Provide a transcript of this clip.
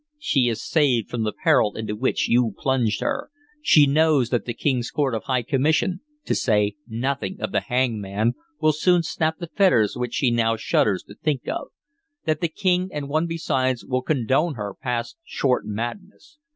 She is saved from the peril into which you plunged her; she knows that the King's Court of High Commission, to say nothing of the hangman, will soon snap the fetters which she now shudders to think of; that the King and one besides will condone her past short madness.